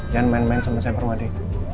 jangan main main sama saya permadi